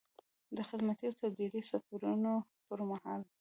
د خدمتي او تبدیلي سفرونو پر مهال.